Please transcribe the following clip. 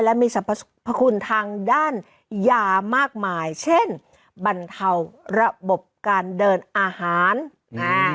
และมีสรรพคุณทางด้านยามากมายเช่นบรรเทาระบบการเดินอาหารอ่า